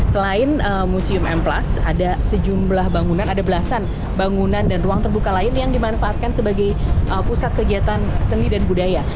selain museum m plas ada sejumlah bangunan ada belasan bangunan dan ruang terbuka lain yang dimanfaatkan sebagai pusat kegiatan seni dan budaya